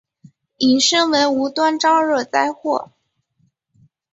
引申为无端招惹灾祸。